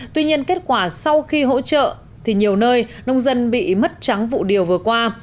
tuy nhiên kết quả sau khi hỗ trợ thì nhiều nơi nông dân bị mất trắng vụ điều vừa qua